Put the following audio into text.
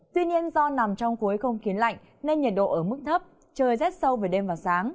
tuy nhiên do nằm trong khối không khí lạnh nên nhiệt độ ở mức thấp trời rét sâu về đêm và sáng